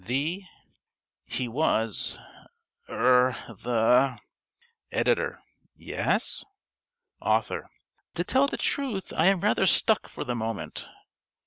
The He was Er the (~Editor.~ Yes? ~Author.~ _To tell the truth, I am rather stuck for the moment.